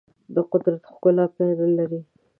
د قدرت ښکلا پای نه لري.